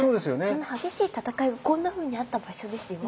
その激しい戦いがこんなふうにあった場所ですよ。